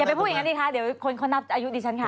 ไปพูดอย่างนั้นดีคะเดี๋ยวคนเขานับอายุดิฉันค่ะ